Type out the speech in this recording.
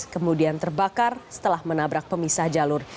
kemudian terbakar setelah menabrak pemisah jalur